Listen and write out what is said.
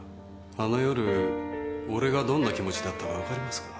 あの夜俺がどんな気持ちだったかわかりますか？